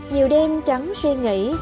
nhiều đêm trắng suy nghĩ